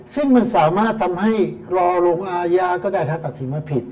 ซึ่งมันสามารถทำให้รอลงอาญาก็ได้ถ้าตัดสินว่าผิด